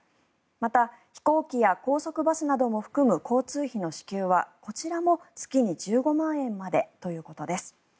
また、飛行機や高速バスなども含む交通費の支給はこちらも月に１５万円までということです。